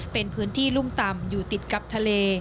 เป็นพื้นที่รุ่มต่ำอยู่ติดกับทะเล